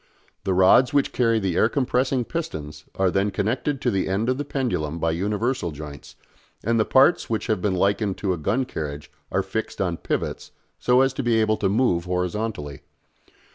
The rods which carry the air compressing pistons are then connected to the end of the pendulum by universal joints, and the parts which have been likened to a gun carriage are fixed on pivots so as to be able to move horizontally.